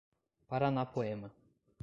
Paranapoema